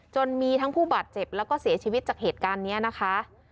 มีทั้งผู้บาดเจ็บแล้วก็เสียชีวิตจากเหตุการณ์นี้นะคะ